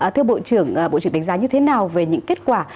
thưa bộ trưởng bộ trưởng đánh giá như thế nào về những kết quả